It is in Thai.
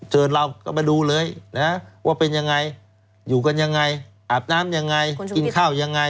เชิญเราก็มาดูเลยนะว่าเป็นยังไงอยู่กันยังไงอาบน้ำยังไงกินข้าวยังไง